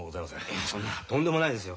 いやそんなとんでもないですよ。